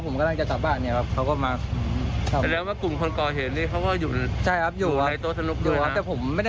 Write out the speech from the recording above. มากันประมาณ๑๐ขวัญทั้งหมด